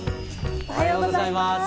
おはようございます。